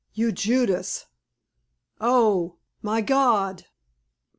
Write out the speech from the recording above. you, Judas! Oh! my God!"